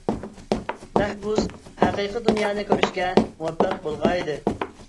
مەھبۇس ھەقىقىي دۇنيانى كۆرۈشكە مۇۋەپپەق بولغان ئىدى.